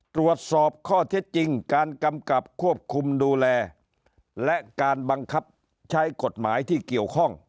ตรวจสอบข้อเท็จจริงการกำกับควบคุมดูแลและการบังคับใช้กฎหมายที่เกี่ยวข้อง